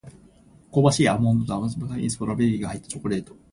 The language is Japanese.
香ばしいアーモンドと甘酸っぱいストロベリーが入ったチョコレート